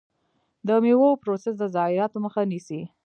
د میوو پروسس د ضایعاتو مخه نیسي.